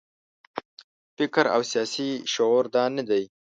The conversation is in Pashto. فکر او سیاسي شعور دا نه دی.